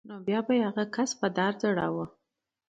نو بیا به یې هغه کس په دار ځړاوه